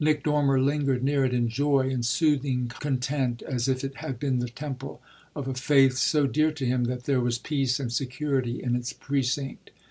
Nick Dormer lingered near it in joy, in soothing content, as if it had been the temple of a faith so dear to him that there was peace and security in its precinct.